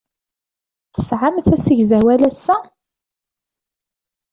Tesɛamt asegzawal ass-a?